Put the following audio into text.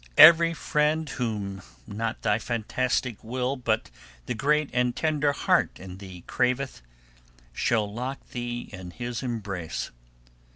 Every friend, whom not thy fantastic will, but the great and tender heart in thee craveth, shall lock thee in his embrace.